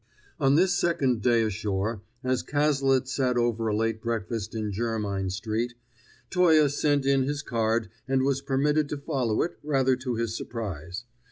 On this second day ashore, as Cazalet sat over a late breakfast in Jermyn Street, Toye sent in his card and was permitted to follow it, rather to his surprise.